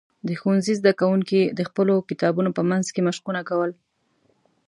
د ښوونځي زده کوونکي د خپلو کتابونو په منځ کې مشقونه کول.